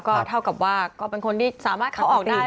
ก็เท่ากับว่าก็เป็นคนที่สามารถเข้าออกได้